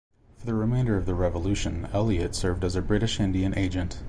For the remainder of the Revolution Elliott served as a British Indian agent.